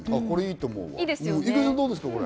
これ、いいと思う。